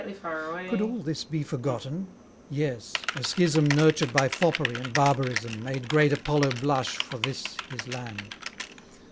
Could all this be forgotten? Yes, a schism Nurtured by foppery and barbarism, Made great Apollo blush for this his land.